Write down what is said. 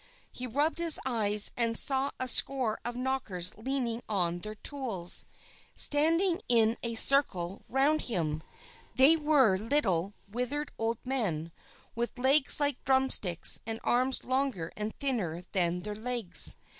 He rubbed his eyes, and saw a score of Knockers leaning on their tools, and standing in a circle around him. They were little, withered old men, with legs like drum sticks, and arms longer and thinner than their legs.